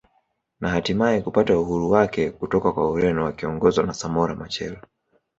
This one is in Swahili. Na hatimaye kupata uhuru wake kutoka kwa Ureno wakiongozwa na Samora Michael